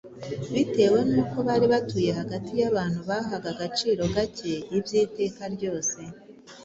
Bitewe n’uko bari batuye hagati y’abantu bahaga agaciro gake iby’iteka ryose ,